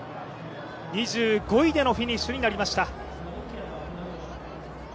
２５位でのフィニッシュになりました。